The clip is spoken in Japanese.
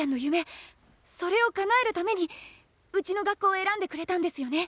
それをかなえるためにうちの学校を選んでくれたんですよね？